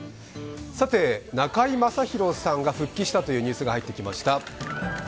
中居正広さんが復帰したというニュースが入ってきました。